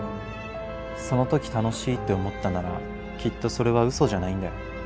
その時楽しいって思ったならきっとそれは嘘じゃないんだよ。